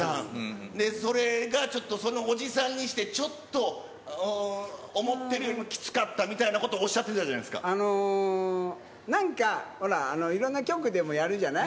それがちょっと、そのおじさんにして、ちょっと思ってるよりも、きつかったみたいなことをおあのー、なんかほら、いろんな局でもやるじゃない？